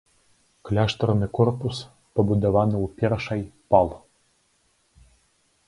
Кляштарны корпус пабудаваны ў першай пал.